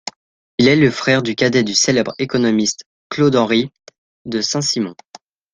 Il est le frère cadet du célèbre économiste Claude Henri de Saint-Simon.